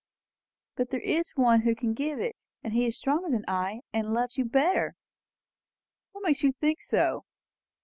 "But there is One who can give it, who is stronger than I, and loves you better." "What makes you think so?"